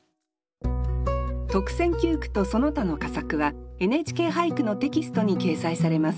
特選九句とその他の佳作は「ＮＨＫ俳句」のテキストに掲載されます。